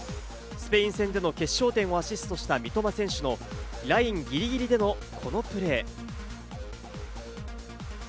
スペイン戦での決勝点をアシストした三笘選手のラインぎりぎりでのこのプレー。